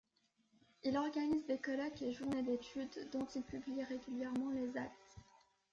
Il organise des colloques et journées d’étude dont il publie régulièrement les actes.